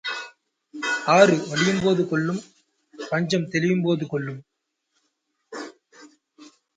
ஆறு வடியும் போது கொல்லும் பஞ்சம் தெளியும் போது கொல்லும்.